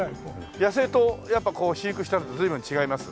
野生とやっぱこう飼育したのと随分違います？